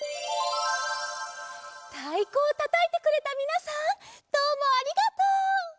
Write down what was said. たいこをたたいてくれたみなさんどうもありがとう！